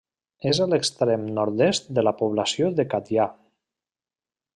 És a l'extrem nord-est de la població de Catllà.